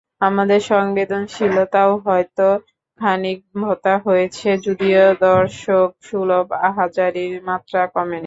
আমাদের সংবেদনশীলতাও হয়তো খানিক ভোঁতা হয়েছে, যদিও দর্শকসুলভ আহাজারির মাত্রা কমেনি।